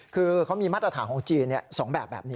คือเขามีมาตรฐานของจีน๒แบบแบบนี้